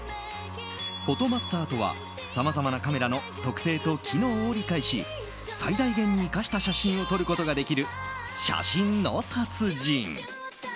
フォトマスターとはさまざまなカメラの特性と機能を理解し最大限に生かした写真を撮ることができる写真の達人。